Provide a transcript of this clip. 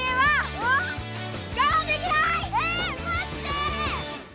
えっまって！